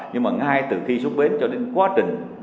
nhưng mà ngay từ khi xuất bến cho đến quá trình